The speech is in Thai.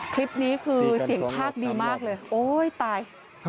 คลิปนี้คือเสียงภาคดีมากเลยโอ๊ยตาย